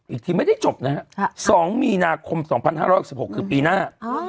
อีกทีไม่ได้จบนะฮะ๒มีนาคม๒๕๖๖คือปีหน้า